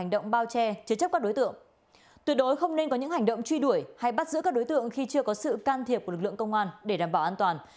đối tượng này cũng truy đuổi hay bắt giữ các đối tượng khi chưa có sự can thiệp của lực lượng công an để đảm bảo an toàn